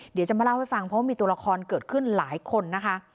เพราะว่ามีตัวละครเกิดขึ้นหลายคนนะคะ